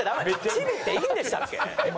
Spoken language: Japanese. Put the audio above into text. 「チビ」っていいんでしたっけ？